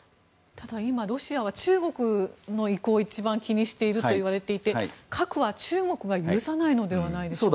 ただ、今、ロシアは中国の意向を一番気にしているといわれていて核は中国が許さないのではないでしょうか。